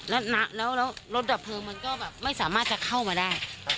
แล้วรถดับเพลิงมันก็แบบไม่สามารถจะเข้ามาได้